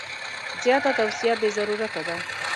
زیاته توصیه بې ضرورته ده.